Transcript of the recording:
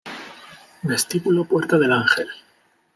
Vestíbulo Puerta del Ángel